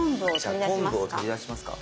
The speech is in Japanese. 昆布を取り出しますか。